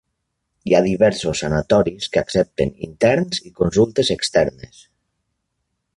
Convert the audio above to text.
Hi ha diversos sanatoris que accepten interns i consultes externes.